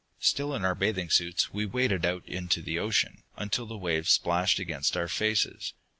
Still in our bathing suits we waded out into the ocean, until the waves splashed against our faces.